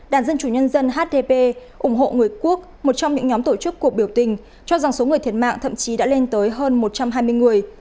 đảng dân chủ nhân dân hdp ủng hộ người quốc một trong những nhóm tổ chức cuộc biểu tình cho rằng số người thiệt mạng thậm chí đã lên tới hơn một trăm hai mươi người